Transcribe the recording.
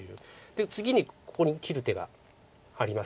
次にここに切る手がありますから。